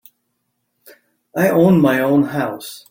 I own my own house.